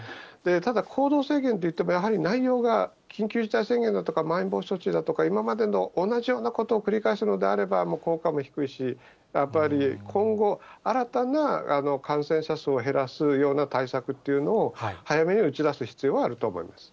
ただ、行動制限といっても、やはり内容が、緊急事態宣言だとか、まん延防止とか、今までと同じようなことを繰り返すのであれば、もう効果も低いし、やっぱり今後、新たな感染者数を減らすような対策っていうのを、早めに打ち出す必要はあると思います。